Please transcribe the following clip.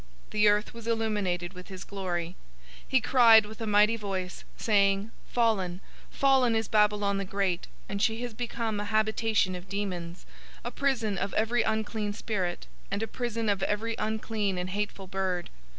The earth was illuminated with his glory. 018:002 He cried with a mighty voice, saying, "Fallen, fallen is Babylon the great, and she has become a habitation of demons, a prison of every unclean spirit, and a prison of every unclean and hateful bird!